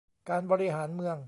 การบริหารเมือง